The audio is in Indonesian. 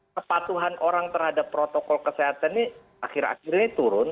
kepatuhan orang terhadap protokol kesehatan ini akhir akhir ini turun